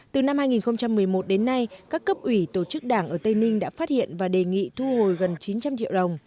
từ năm hai nghìn một mươi một đến nay các cấp ủy tổ chức đảng ở tây ninh đã phát hiện và đề nghị thu hồi gần chín trăm linh triệu đồng